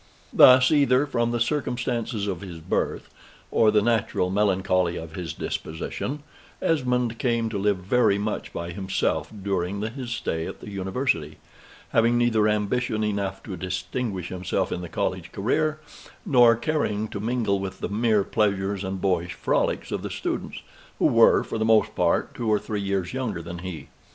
Thus, either from the circumstances of his birth, or the natural melancholy of his disposition, Esmond came to live very much by himself during his stay at the University, having neither ambition enough to distinguish himself in the college career, nor caring to mingle with the mere pleasures and boyish frolics of the students, who were, for the most part, two or three years younger than he.